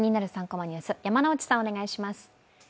３コマニュース」、山内さん、お願いします。